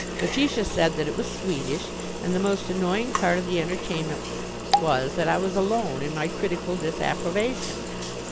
Letitia said that it was Swedish, and the most annoying part of the entertainment was that I was alone in my critical disapprobation.